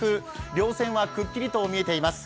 りょう線はくっきりと見えています。